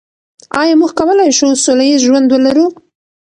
آیا موږ کولای شو سوله ییز ژوند ولرو؟